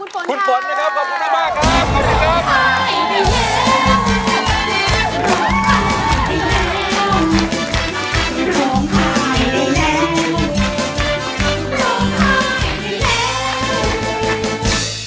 ขุนโฟนนะครับขอบคุณผู้ชมมากครับ